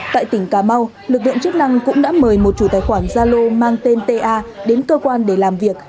tại tỉnh cà mau lực lượng chức năng cũng đã mời một chủ tài khoản zalo mang tên ta đến cơ quan để làm việc